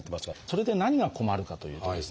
それで何が困るかというとですね